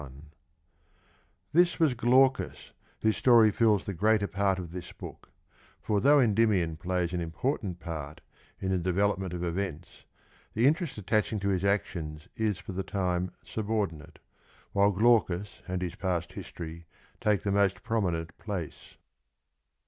191) This was Glaucus, whose story fills the greater part of this book, for though Endymion plays an important part in the development of events, the interest attaching to his actions is for the time subordinate, while Glaucus and his past history take the most prominent place.